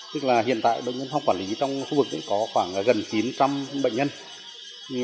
tức là hiện tại bệnh nhân phong quản lý trong khu vực có khoảng gần chín trăm linh bệnh nhân